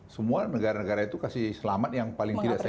semua negara negara itu kasih selamat yang paling tidak saya